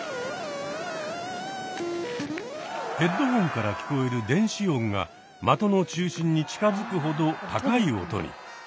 ヘッドホンから聞こえる電子音が的の中心に近づくほど高い音に。